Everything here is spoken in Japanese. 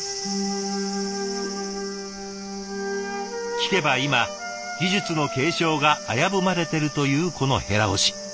聞けば今技術の継承が危ぶまれてるというこの箆押し。